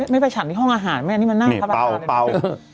ไม่ไปฉันที่ห้องอาหารไหมอันนี้มันน่าเค้าบอกด้วย